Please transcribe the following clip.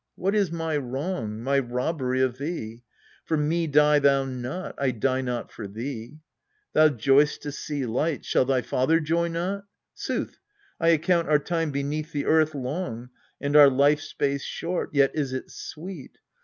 What is my wrong, my robbery of thee ? For me die thou not, I die not for thee. Thou joy'st to see light shall thy father joy not? Sooth, I account our time beneath the earth Long, and our life space short, yet is it sweet.